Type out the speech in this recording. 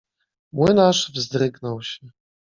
Młynarz wzdrygnął się.